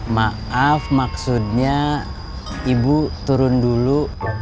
maaf maksudnya ibu turun dulu